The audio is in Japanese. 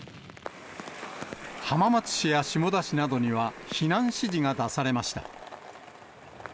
浜松市や下田市などには避難指示が出されました。